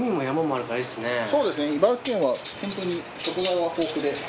そうですね。